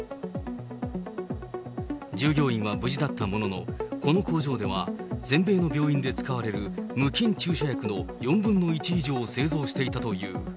従業員は無事だったものの、この工場では全米の病院で使われる無菌注射薬の４分の１以上を製造していたという。